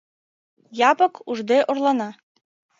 Япык ужде орлана.